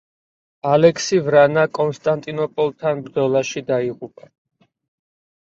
ალექსი ვრანა კონსტანტინოპოლთან ბრძოლაში დაიღუპა.